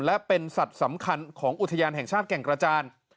และเป็นสัตว์สำคัญของอุทยานแห่งชาติแก่งกระจาน